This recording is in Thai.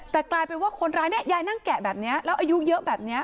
แต่กลายเป็นว่าคนร้ายเนี่ยยายนั่งแกะแบบนี้แล้วอายุเยอะแบบนี้